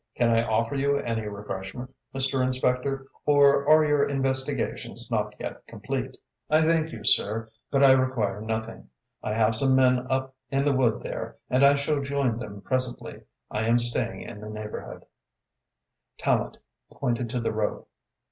"Can I offer you any refreshment, Mr. Inspector, or are your investigations not yet complete?" "I thank you, sir, but I require nothing. I have some men up in the wood there and I shall join them presently. I am staying in the neighborhood." Tallente pointed to the rope.